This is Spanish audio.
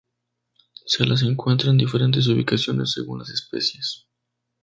Se las encuentra en diferentes ubicaciones, según las especies.